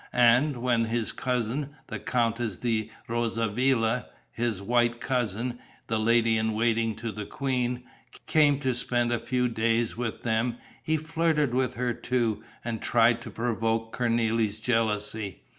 And, when his cousin, the Countess di Rosavilla his "white" cousin, the lady in waiting to the queen came to spend a few days with them, he flirted with her too and tried to provoke Cornélie's jealousy.